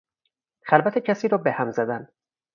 خلوت کسی را بههم زدن